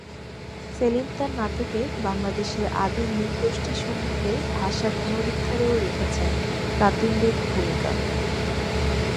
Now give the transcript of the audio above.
সেলিম তাঁর নাটকে বাংলাদেশের আদি নৃগোষ্ঠীসমূহের ভাষা পুনরুদ্ধারেও রেখেছেন প্রাতিস্বিক ভূমিকা।